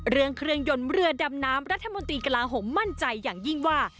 เครื่องยนต์เรือดำน้ำรัฐมนตรีกระลาฮมมั่นใจอย่างยิ่งว่า